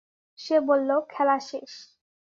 সে বলল খেলা শেষ!